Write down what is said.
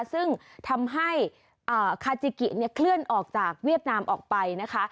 ซึ่งทำให้คาจิกิเนี่ยเคลื่อนออกจากเวียดนามออกไปนะคะ